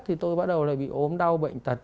thì tôi bắt đầu là bị ốm đau bệnh tật